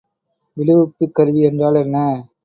விடுவிப்புக் கருவி என்றால் என்ன?